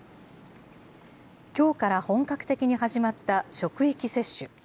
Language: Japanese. きょうから本格的に始まった職域接種。